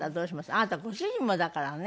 あなたご主人もだからね。